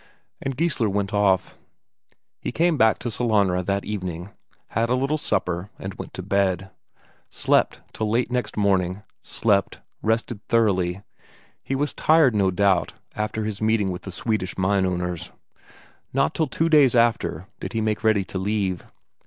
And Geissler went off. He came back to Sellanraa that evening, had a little supper, and went to bed. Slept till late next morning, slept, rested thoroughly; he was tired, no doubt, after his meeting with the Swedish mine owners. Not till two days after did he make ready to leave.